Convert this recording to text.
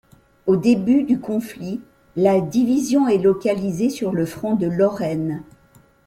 Au début du conflit, la division est localisée sur le front de Lorraine.